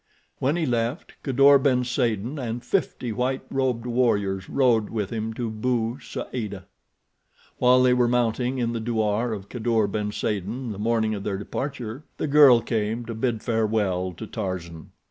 When he left, Kadour ben Saden and fifty white robed warriors rode with him to Bou Saada. While they were mounting in the douar of Kadour ben Saden the morning of their departure, the girl came to bid farewell to Tarzan.